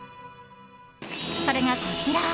それが、こちら。